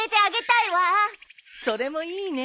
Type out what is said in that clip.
それもいいね。